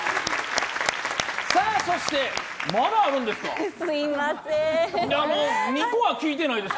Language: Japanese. そして、まだあるんですか？